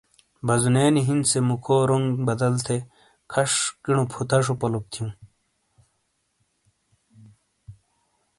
بازونے نی ہِین سے موکھو رونگ بدل تھے کھش کنو فوتاشو پلوک تھیوں۔